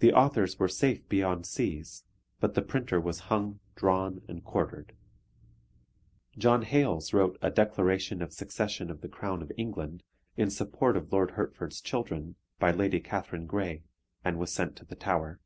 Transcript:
The authors were safe beyond seas, but the printer was hung, drawn, and quartered. John Hales wrote A Declaration of Succession of the Crown of England, in support of Lord Hertford's children by Lady Catherine Grey, and was sent to the Tower.